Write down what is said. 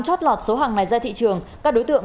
chót lọt số hàng này ra thị trường các đối tượng